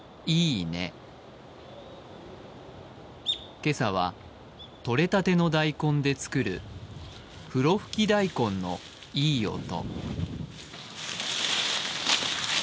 今朝は、とれたての大根で作るふろふき大根のいい音。